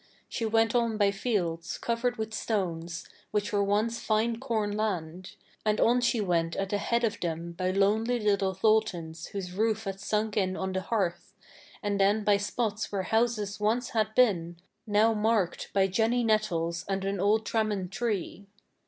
She went on by fields, covered with stones, which were once fine corn land; and on she went at the head of them by lonely little tholthans whose roofs had sunk in on the hearth, and then by spots where houses once had been, now marked by jenny nettles and an old tramman tree.